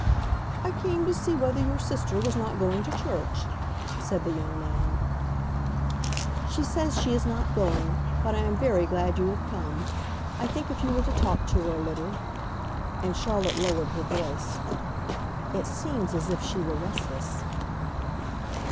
"I came to see whether your sister was not going to church," said the young man. "She says she is not going; but I am very glad you have come. I think if you were to talk to her a little".... And Charlotte lowered her voice. "It seems as if she were restless."